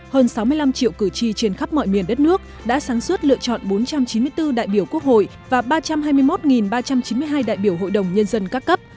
hơn sáu mươi năm triệu cử tri trên khắp mọi miền đất nước đã sáng suốt lựa chọn bốn trăm chín mươi bốn đại biểu quốc hội và ba trăm hai mươi một ba trăm chín mươi hai đại biểu hội đồng nhân dân các cấp